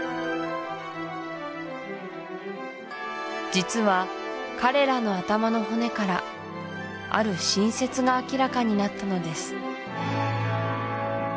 実は彼らの頭の骨からある新説が明らかになったのです